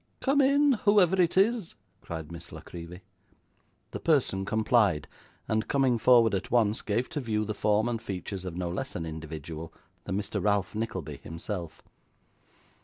'Come in, whoever it is!' cried Miss La Creevy. The person complied, and, coming forward at once, gave to view the form and features of no less an individual than Mr. Ralph Nickleby himself.